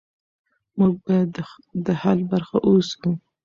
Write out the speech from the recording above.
موږ باید د حل برخه اوسو.